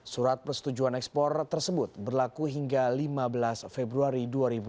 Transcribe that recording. surat persetujuan ekspor tersebut berlaku hingga lima belas februari dua ribu dua puluh